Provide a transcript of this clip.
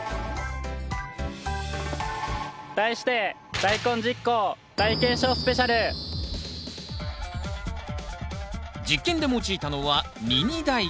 題して実験で用いたのはミニダイコン。